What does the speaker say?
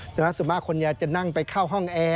ส่วนมากคนจะนั่งไปเข้าห้องแอร์